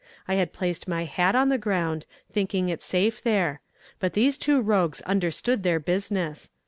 I had placed my hat on the ground, thinking it safe there; but these two rogues understood their business.